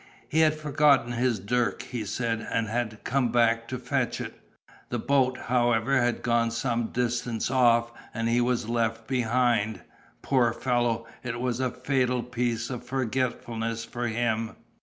He had forgotten his dirk, he said, and had come back to fetch it. The boat, however, had gone some distance off, and he was left behind. Poor fellow, it was a fatal piece of forgetfulness for him.